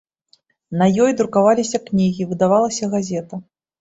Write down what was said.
На ёй друкаваліся кнігі, выдавалася газета.